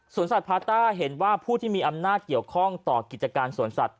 สนศาสตรพาร์ท่าเห็นว่าผู้ที่มีอำนาจเกี่ยวข้องต่อกิจการสนศัษน์